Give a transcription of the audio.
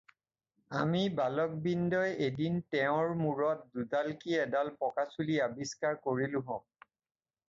আমি বালকবৃন্দই এদিন তেওঁৰ মূৰত দুডাল কি এডাল পকাচুলি আৱিষ্কাৰ কৰিলোঁহঁক।